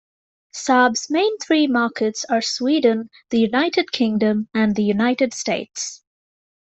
Saab's main three markets are Sweden, the United Kingdom and the United States.